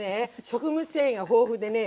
食物繊維が豊富でね。